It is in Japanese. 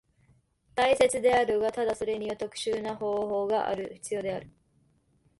大切であるが、ただそれには特殊な方法が必要である。